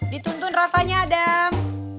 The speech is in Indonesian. dituntun rafahnya adam